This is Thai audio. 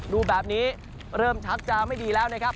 ดูแบบนี้เริ่มชักจะไม่ดีแล้วนะครับ